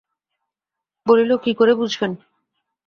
বলিল, কী করে বুঝবেন?